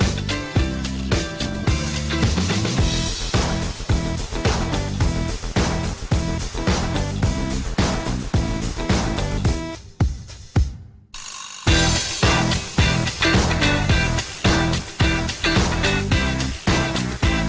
สวัสดี